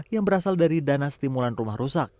yang berasal dari dana stimulan rumah rusak